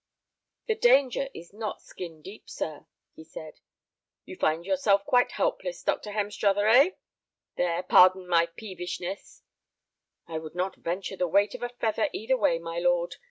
"The danger is not skin deep, sir," he said. "You find yourself quite helpless, Dr. Hemstruther, eh? There, pardon my peevishness—" "I would not venture the weight of a feather either way, my lord.